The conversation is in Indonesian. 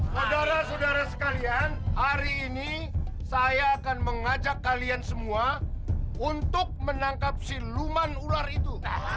saudara saudara sekalian hari ini saya akan mengajak kalian semua untuk menangkap siluman ular itu